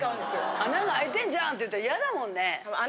穴があいてんじゃんって言ったら嫌だもんね。